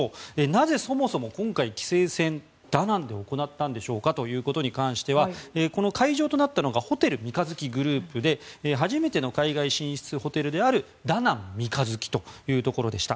なぜそもそも今回棋聖戦、ダナンで行われたんでしょうということに関してはこの会場となったのがホテル三日月グループで初めての海外進出ホテルであるダナン三日月というところでした。